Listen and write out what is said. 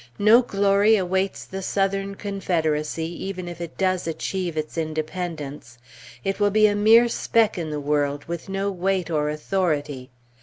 No glory awaits the Southern Confederacy, even if it does achieve its independence; it will be a mere speck in the world, with no weight or authority.